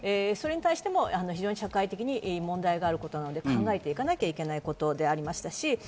それに対しても社会的に問題があることなので考えていかなきゃいけないことでありました。